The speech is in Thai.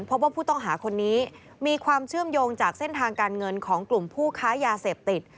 พบว่าผู้ต้องหาคนนี้มีความเชื่อมโยงจากเส้นทางการเงินของกลุ่มผู้ค้ายาเสพติด